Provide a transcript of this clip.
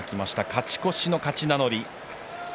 勝ち越しの勝ち名乗り。